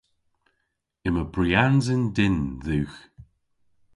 Yma briansen dynn dhywgh.